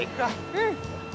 うん。